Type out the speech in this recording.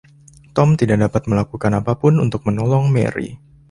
Tom tidak dapat melakukan apapun untuk menolong Mary.